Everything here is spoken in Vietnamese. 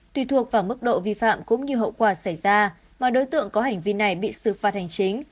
tùy thuộc vào mức độ vi phạm cũng như hậu quả xảy ra mà đối tượng có hành vi này bị xử phạt hành chính